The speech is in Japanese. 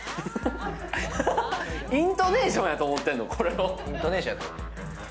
イントネーションやと思ってんの？